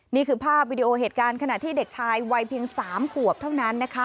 นี่คือภาพวิดีโอเหตุการณ์ขณะที่เด็กชายวัยเพียง๓ขวบเท่านั้นนะคะ